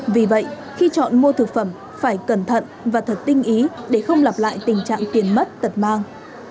vì vậy khi chọn mua thực phẩm phải cẩn thận và thật tinh ý để không lặp lại tình trạng tiền mất tật mang